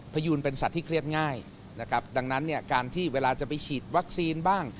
พยูนเป็นสัตว์ที่เครียดง่ายนะครับดังนั้นเนี่ยการที่เวลาจะไปฉีดวัคซีนบ้าง